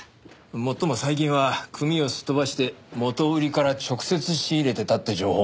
もっとも最近は組をすっ飛ばして元売から直接仕入れてたって情報も上がってるがな。